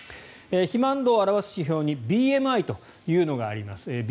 肥満度を表す指標にＢＭＩというのがあります。